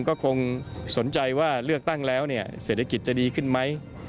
ก็คงสนใจว่าเลือกตั้งแล้วเนี่ยเศรษฐกิจจะดีขึ้นไหม